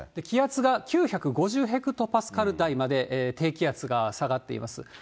気圧が９５０ヘクトパスカル台まで低気圧が下がっています。